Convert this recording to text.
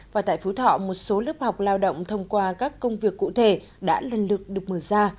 và tại phú thọ một số lớp học lao động thông qua các công việc cụ thể đã lần lượt được mở ra